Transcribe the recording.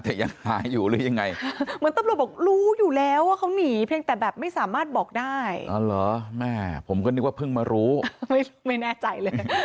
แต่ยังหายอยู่หรือยังไง